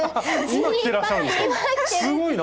今着てらっしゃるんですかすごいな。